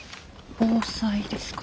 防災ですか。